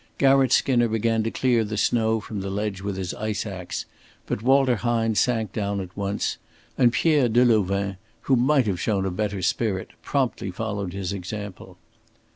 Garratt Skinner began to clear the snow from the ledge with his ice ax; but Walter Hine sank down at once and Pierre Delouvain, who might have shown a better spirit, promptly followed his example.